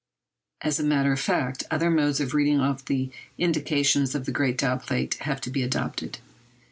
As a matter of fact, other modes of reading off the indications of the great dial plate have to be adopted.